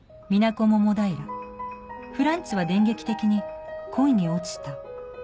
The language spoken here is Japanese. フランツは電撃的に恋に落ちた。